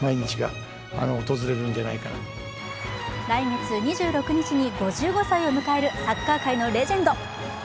来月２６日に５５歳を迎えるサッカー界のレジェンド。